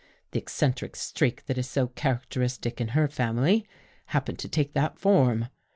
The eccentric streak that is so characteristic in her family, happened to take that form.